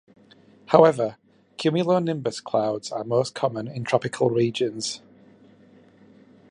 However, cumulonimbus clouds are most common in tropical regions.